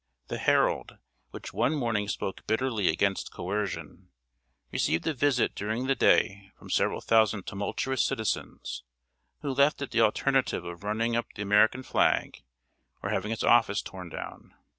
The Herald, which one morning spoke bitterly against coercion, received a visit during the day from several thousand tumultuous citizens, who left it the alternative of running up the American flag or having its office torn down.